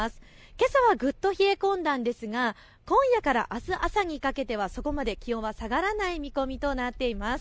けさはぐっと冷え込んだんですが、今夜からあす朝にかけてはそこまで気温は下がらない見込みとなっています。